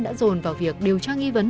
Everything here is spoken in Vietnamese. đã dồn vào việc điều tra nghi vấn